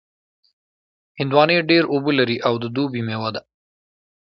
هندوانې ډېر اوبه لري او د دوبي مېوه ده.